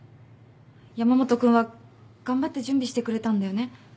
山本君は頑張って準備してくれたんだよね。